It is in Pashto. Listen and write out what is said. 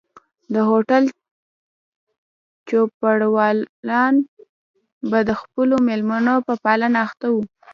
د هوټل چوپړوالان به د خپلو مېلمنو په پالنه اخته وو.